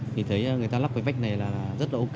thì thấy người ta lắp cái vách này là rất là ống